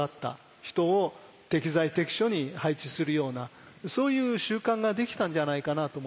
人を適材適所に配置するようなそういう習慣ができたんじゃないかなと思いますね。